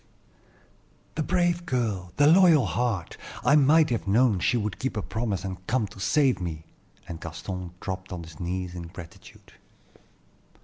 "The brave girl! the loyal heart! I might have known she would keep her promise, and come to save me;" and Gaston dropped on his knees in gratitude.